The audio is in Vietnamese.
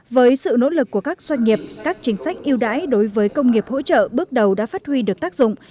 với sự nỗ lực của các doanh nghiệp các chính sách yêu đái đối với công nghiệp hỗ trợ bước đầu đã phát huy được tác dụng